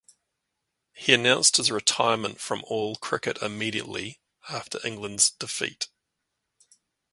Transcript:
He announced his retirement from all cricket immediately after England's defeat.